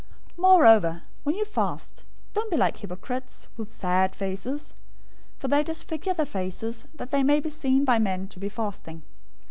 006:016 "Moreover when you fast, don't be like the hypocrites, with sad faces. For they disfigure their faces, that they may be seen by men to be fasting.